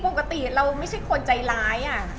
ปกติเราไม่ใช่คนใจร้าย